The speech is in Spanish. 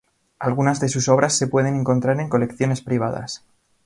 Algunas de sus obras se pueden encontrar en colecciones privadas.